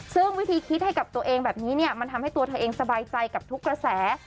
ซึ่งวิธีคิดให้กับตัวเองแบบนี้เนี่ยมันทำให้ตัวเธอเองสบายใจกับทุกกระแส